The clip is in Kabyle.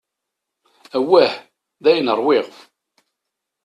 Awah, dayen ṛwiɣ.